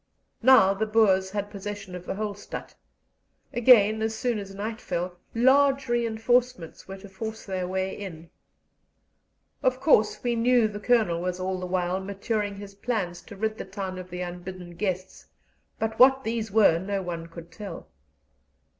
Now the Boers had possession of the whole stadt; again, as soon as night fell, large reinforcements were to force their way in. Of course we knew the Colonel was all the while maturing his plans to rid the town of the unbidden guests, but what these were no one could tell.